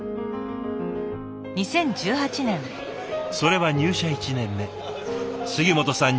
それは入社１年目杉本さん